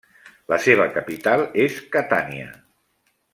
La seva capital és Catània.